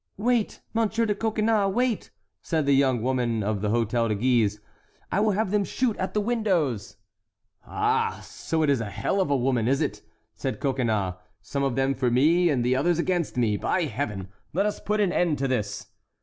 "Wait, Monsieur de Coconnas, wait!" said the young woman of the Hôtel de Guise, "I will have them shoot at the windows!" "Ah! So it is a hell of women, is it?" said Coconnas. "Some of them for me and the others against me! By Heaven! let us put an end to this!"